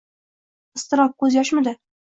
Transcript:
Iztirob, ko’z yoshmidi?